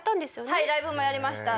はいライブもやりました。